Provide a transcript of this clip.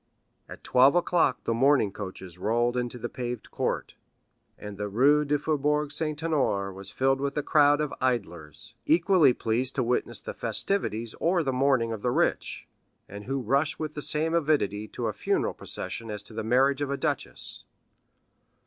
At eleven o'clock the mourning coaches rolled into the paved court, and the Rue du Faubourg Saint Honoré was filled with a crowd of idlers, equally pleased to witness the festivities or the mourning of the rich, and who rush with the same avidity to a funeral procession as to the marriage of a duchess.